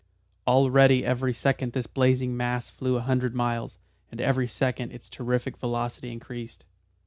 Already every second this blazing mass flew a hundred miles, and every second its terrific velocity increased.